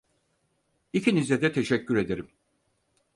İkinize de teşekkür ederim.